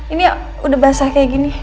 ini udah basah kayak gini